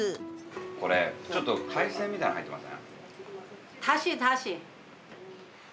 これちょっと海鮮みたいなの入ってません？